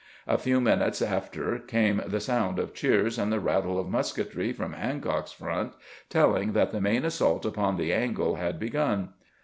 A few minutes after came the sound of cheers and the rattle of musketry from Hancock's front, telling that the main assault upon the "angle" had begun.